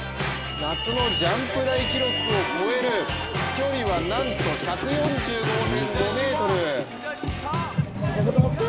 夏のジャンプ台記録を超える飛距離はなんと１４５．５ｍ。